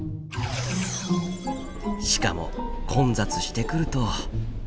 しかも混雑してくると。